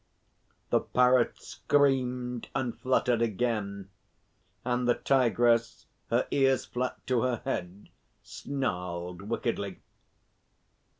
The Parrot screamed and fluttered again, and the Tigress, her ears flat to her head, snarled wickedly.